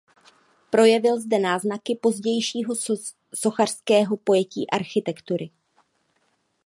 Projevil zde náznaky pozdějšího sochařského pojetí architektury.